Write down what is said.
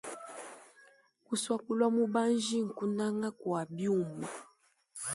Kusua kulua mubanji, kunanga kua biuma.